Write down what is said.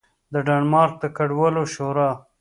د ډنمارک د کډوالو شورا